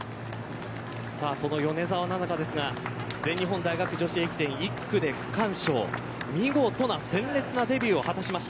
その米澤奈々香ですが全日本大学女子駅伝１区で区間賞見事な鮮烈なデビューを果たしました。